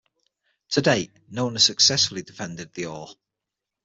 To date, no one has successfully defended the Oar.